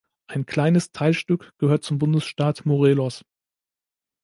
Ein kleines Teilstück gehört zum Bundesstaat Morelos.